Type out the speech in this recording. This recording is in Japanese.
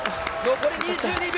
残り２２秒。